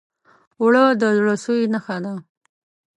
اوړه د زړه سوي نښه ده